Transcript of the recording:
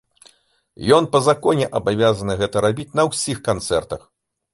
Ён па законе абавязаны гэта рабіць на ўсіх канцэртах.